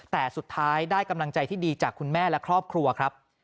แต่สุดท้ายได้กำลังใจที่ดีจากคุณแม่และครอบครัวครับ